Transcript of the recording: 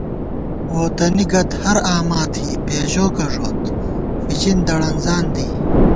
ووتَنی گد ہر آما تھی، بېژوکہ ݫوت، فِچِن دڑَنزان دی